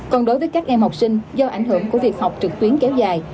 còn đối với các em học sinh do ảnh hưởng của việc học trực tuyến kéo dài